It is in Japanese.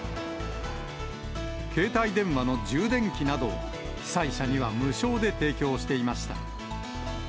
携帯電話の充電器などを、被災者には無償で提供していました。